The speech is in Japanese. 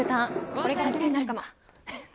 これから好きになるかも。